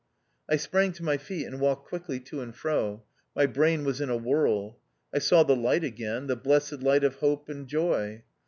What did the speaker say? I sprang to my feet and walked quickly to and fro. My brain was in a whirl. I saw the light again, the blessed light of hope and joy.